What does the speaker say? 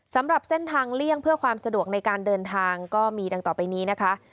สำหรับเส้นทางเลี่ยงเพื่อความสะดวกในการเดินทางก็มีดังต่อไปนี้นะคะ